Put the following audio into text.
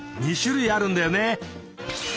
２種類あるんだよね。